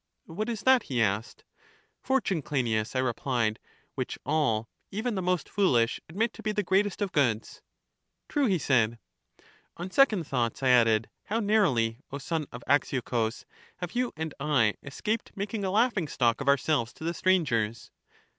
What is that? he asked. Fortune, Cleinias, I replied; which all, even the most foolish, admit to be the greatest of goods. True, he said. On second thoughts, I added, how narrowly, O son of Axiochus, have you and I escaped making a laugh ing stock of ourselves to the strangers.